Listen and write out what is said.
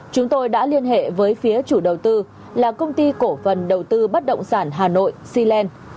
chúng tôi đã liên hệ với phía chủ đầu tư là công ty cổ phần đầu tư bất động sản hà nội cland